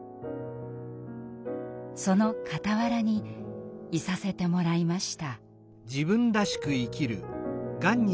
その傍らにいさせてもらいました。